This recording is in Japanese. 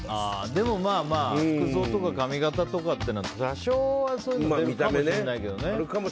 でもまあ服装とか髪形とかってのは多少は、そういうのあるかもしれないけどね。